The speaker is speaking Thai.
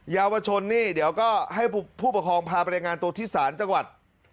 เยาวชนนี่เดี๋ยวก็ให้ผู้ปกครองพาไปรายงานตัวที่ศาลจังหวัด